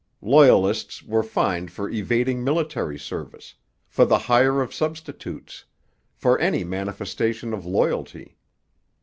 Loyalists were fined for evading military service, for the hire of substitutes, for any manifestation of loyalty.